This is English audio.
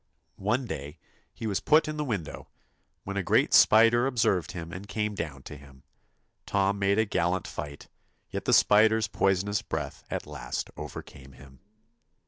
One day he was put in the window, when a great spider observed him and came down to him. Tom made a gallant fight, yet the spider's poisonous breath at last overcame him.